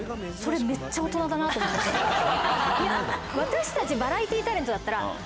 私たちバラエティータレントだったら。